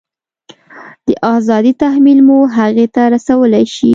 د ارادې تحمیل مو هغې ته رسولی شي؟